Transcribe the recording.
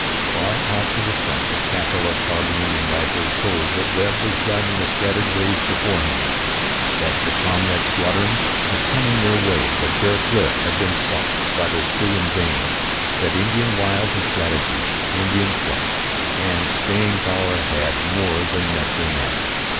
Far out to the front the crackle of carbine and rifle told that Webb was driving the scattered braves before him, that the comrade squadron was coming their way, that Bear Cliff had been sought by the Sioux in vain, that Indian wiles and strategy, Indian pluck and staying power, all had more than met their match.